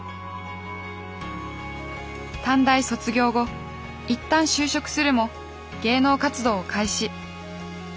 短大卒業後一旦就職するも芸能活動を開始。